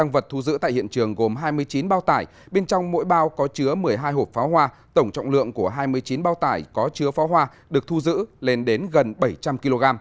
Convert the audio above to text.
bên trong mỗi bao có chứa một mươi hai hộp pháo hoa tổng trọng lượng của hai mươi chín bao tải có chứa pháo hoa được thu giữ lên đến gần bảy trăm linh kg